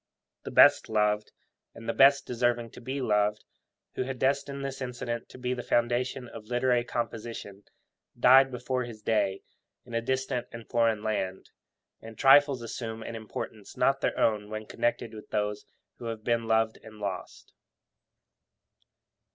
The best loved, and the best deserving to be loved, who had destined this incident to be the foundation of literary composition, died 'before his day' in a distant and foreign land; and trifles assume an importance not their own when connected with those who have been loved and lost.